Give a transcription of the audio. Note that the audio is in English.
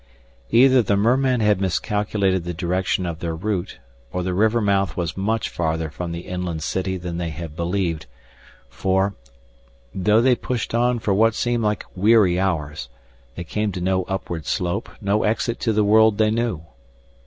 Either the merman had miscalculated the direction of their route or the river mouth was much farther from the inland city than they had believed, for, though they pushed on for what seemed like weary hours, they came to no upward slope, no exit to the world they knew.